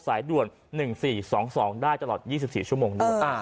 สายด่วน๑๔๒๒ได้ตลอด๒๔ชั่วโมงด้วย